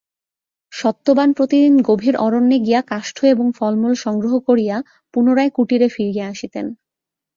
সত্যবান প্রতিদিন গভীর অরণ্যে গিয়া কাষ্ঠ এবং ফলমূল সংগ্রহ করিয়া পুনরায় কুটীরে ফিরিয়া আসিতেন।